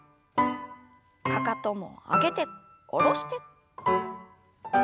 かかとも上げて下ろして。